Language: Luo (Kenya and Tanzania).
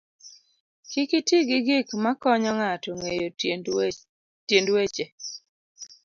Kik iti gi gik m akonyo ng'ato ng'eyo tiend weche